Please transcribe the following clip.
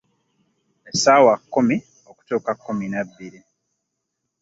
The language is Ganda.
Essaawa kkumi okutuuka kkumi na bbiri.